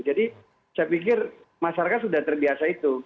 jadi saya pikir masyarakat sudah terbiasa itu